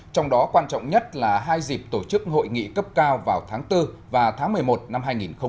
trong đó quan trọng nhất là hai dịp tổ chức hội nghị cấp cao vào tháng bốn và tháng một mươi một năm hai nghìn hai mươi